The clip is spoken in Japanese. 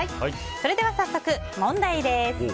それでは早速問題です。